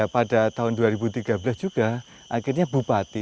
pada tahun dua ribu tiga belas juga akhirnya bupati